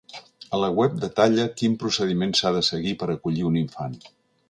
A la web detalla quin procediment s’ha de seguir per acollir un infant.